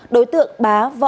đối tượng bá võ